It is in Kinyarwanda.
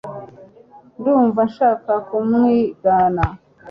Ndumva nshaka kumwigana